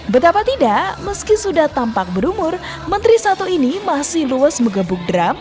betapa tidak meski sudah tampak berumur menteri satu ini masih luas mengebuk drum